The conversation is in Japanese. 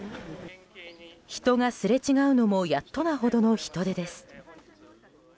人がすれ違うのもやっとなほどの人出です。